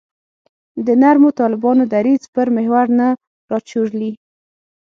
د نرمو طالبانو دریځ پر محور نه راچورلي.